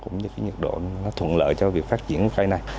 nhiệt độ nó thuận lợi cho việc phát triển cây này